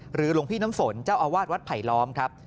หลวงพี่น้ำฝนเจ้าอาวาสวัดไผลล้อมครับ